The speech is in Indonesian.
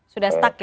sudah stuck ya